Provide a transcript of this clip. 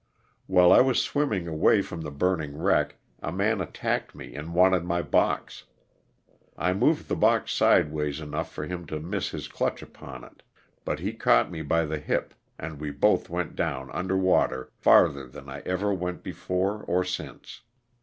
While I was swimming away from the burning wreck a man attacked me and wanted my box. I moved the box sideways enough for him to miss his clutch upon it, but he caught me by the hip and we both went down under water farther than I ever went before or since.